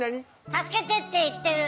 助けてって言ってる。